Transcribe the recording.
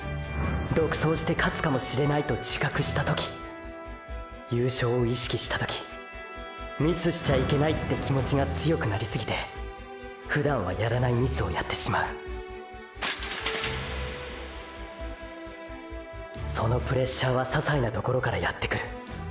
独走して勝つかもしれないと自覚した時ーー優勝を「意識」した時ーーミスしちゃいけないって気持ちが強くなりすぎてふだんはやらないミスをやってしまうそのプレッシャーはささいなところからやってくる。